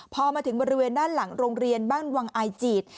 พอมาถึงบริเวณด้านหลังโรงเรียนบ้านวังอายจีด